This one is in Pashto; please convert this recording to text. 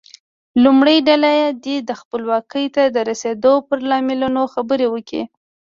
لومړۍ ډله دې خپلواکۍ ته د رسیدو پر لاملونو خبرې وکړي.